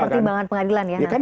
itu pertimbangan pengadilan